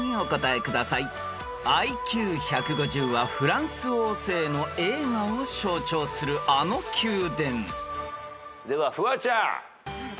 ［ＩＱ１５０はフランス王政の栄華を象徴するあの宮殿］ではフワちゃん。